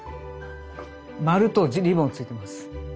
丸とリボンついてます。